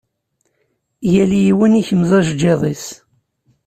Yal yiwen ikmez ajeǧǧiḍ-is.